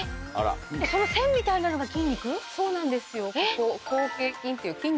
その線みたいなのが筋肉？